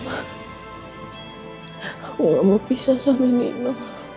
aku gak mau bisa sama nino